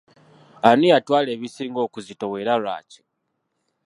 Ani yatwala ebisinga okuzitowa era lwaki?